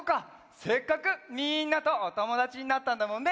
せっかくみんなとおともだちになったんだもんね。